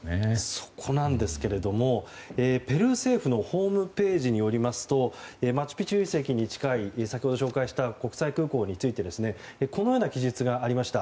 そこなんですがペルー政府のホームページによりますとマチュピチュ遺跡に近い先ほど紹介した国際空港についてこのような記述がありました。